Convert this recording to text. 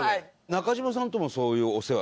中島さんともそういうお世話。